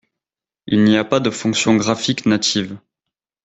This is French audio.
Il n'y a pas de fonction graphique native.